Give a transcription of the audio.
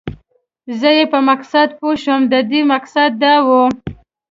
زه یې په مقصد پوه شوم، د دې مقصد دا و.